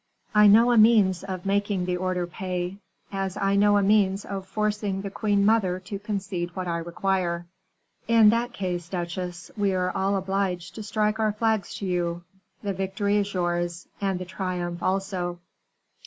"I know a means of making the order pay, as I know a means of forcing the queen mother to concede what I require." "In that case, duchesse, we are all obliged to strike our flags to you. The victory is yours, and the triumph also.